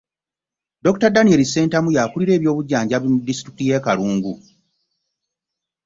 Dokita Daniel Ssentamu, y'akulira eby'obujjanjabi mu disitulikiti y'e Kalungu.